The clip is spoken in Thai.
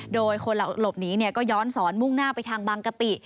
โดยคนหลบหนีก็ย้อนสอนมุ่งหน้าไปทางบางกะปิ